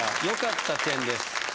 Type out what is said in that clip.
良かった点です